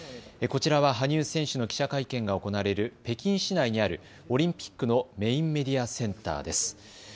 こちらは羽生選手の記者会見が行われる北京市内にあるオリンピックのメインメディアセンターです。